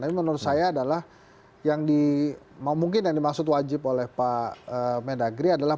tapi menurut saya adalah yang di mungkin yang dimaksud wajib oleh pak mendagri adalah